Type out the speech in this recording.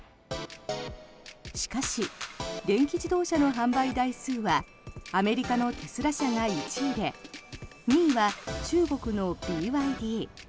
しかし電気自動車の販売台数はアメリカのテスラ社が１位で２位は中国のＢＹＤ。